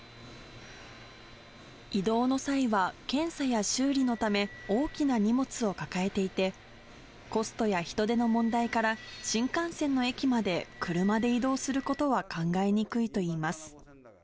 移動の際は、検査や修理のため大きな荷物を抱えていて、コストや人手の問題から、新幹線の駅まで車で移動することは考えにくいといいます。